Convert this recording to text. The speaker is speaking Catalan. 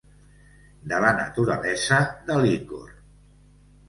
De la naturalesa de l'icor.